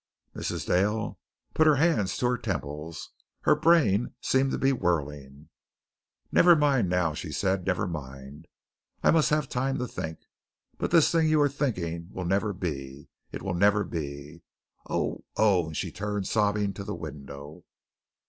Mrs. Dale put her hands to her temples. Her brain seemed to be whirling. "Never mind, now," she said. "Never mind. I must have time to think. But this thing you are thinking will never be. It never will be. Oh! Oh!" and she turned sobbing to the window.